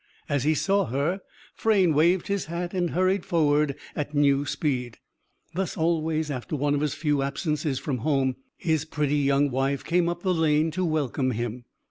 As he saw her, Frayne waved his hat and hurried forward at new speed. Thus, always, after one of his few absences from home, his pretty young wife came up the lane to welcome him.